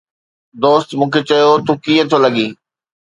دوست مون کي چيو: ”تون ڪيئن ٿو لڳين؟